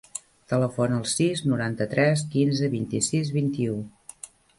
Telefona al sis, noranta-tres, quinze, vint-i-sis, vint-i-u.